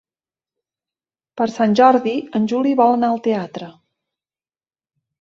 Per Sant Jordi en Juli vol anar al teatre.